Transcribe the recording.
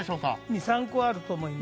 ２３個あると思います。